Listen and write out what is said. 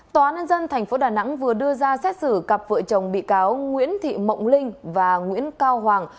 tòa án nhân dân tp đà nẵng vừa đưa ra xét xử cặp vợ chồng bị cáo nguyễn thị mộng linh và nguyễn cao hoàng